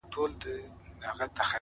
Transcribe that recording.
او نسلونه نور به یې په هنري خدمت